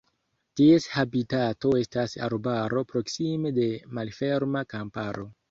Ties habitato estas arbaro proksime de malferma kamparo.